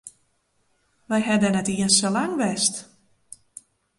We hawwe dêr net iens sa lang west.